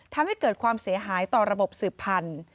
ทำให้เกิดความเสียหายต่อระบบสืบพันธุ์